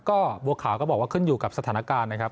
ก็บัวขาวก็บอกว่าขึ้นอยู่กับสถานการณ์นะครับ